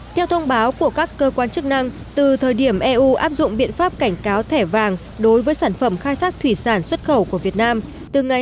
theo thông báo của các cơ quan chức năng từ thời điểm eu áp dụng biện pháp cảnh cáo thẻ vàng đối với sản phẩm khai thác hải sản bất hợp pháp ở vùng biển nước ngoài